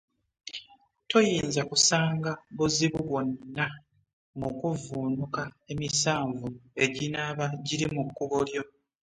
Toyinza kusanga buzibu bwonna mu kuvvuunuka emisanvu, eginaaba giri mu kkubo lyo.